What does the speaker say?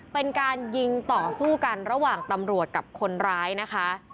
เป็นการยิงต่อสู้กันระหว่างตำรวจกับคนร้ายนะคะ